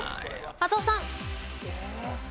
松尾さん。